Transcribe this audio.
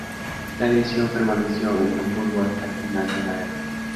La división permaneció en Hamburgo hasta el final de la guerra.